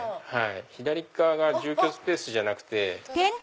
左側が住居スペースじゃなくて。